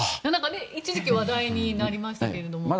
一時期話題になりましたけれども。